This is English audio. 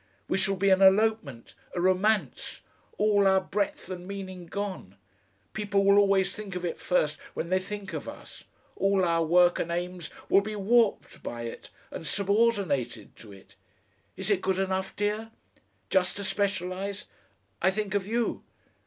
We shall be an elopement, a romance all our breadth and meaning gone! People will always think of it first when they think of us; all our work and aims will be warped by it and subordinated to it. Is it good enough, dear? Just to specialise.... I think of you.